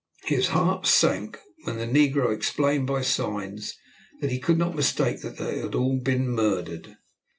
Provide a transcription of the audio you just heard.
His heart sank when the negro explained by signs that he could not mistake that they had all been murdered.